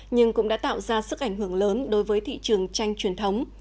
nhưng cũng đã tạo ra sức ảnh hưởng lớn đối với thị trường tranh truyền thống